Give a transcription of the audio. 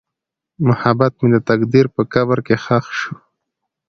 محبت مې د تقدیر په قبر کې ښخ شو.